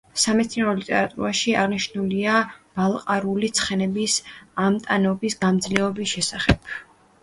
სამეცნიერო ლიტერატურაში აღნიშნულია ბალყარული ცხენების ამტანობის, გამძლეობის შესახებ.